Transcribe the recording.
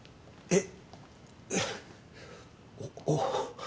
えっ。